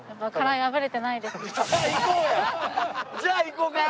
じゃあ行こうか！